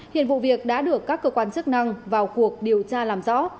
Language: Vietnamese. hiện vụ việc đã được các cơ quan chức năng vào cuộc điều tra làm rõ